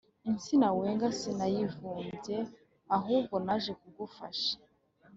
Insina wenga sinayivumbye ahubwo naje kugufasha